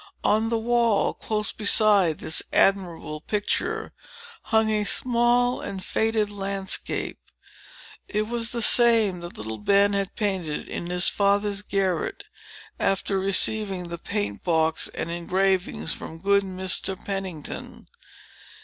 On the wall, close beside this admirable picture, hung a small and faded landscape. It was the same that little Ben had painted in his father's garret, after receiving the paint box and engravings from good Mr. Pennington.